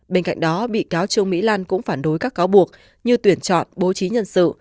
bên cạnh đó bị cáo trương mỹ lan cũng phản đối các cáo buộc như tuyển chọn bố trí nhân sự